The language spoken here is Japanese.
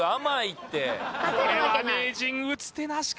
これは名人打つ手なしか？